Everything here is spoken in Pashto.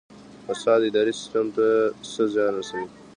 فساد اداري سیستم ته څه زیان رسوي؟